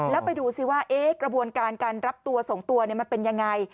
แล้วไปดูสิว่ากระบวนการการรับตัว๒ตัวมันเป็นยังไง